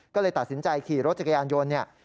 ก็เลยตัดสินใจขี่รถจักรยานยนต์เนี่ย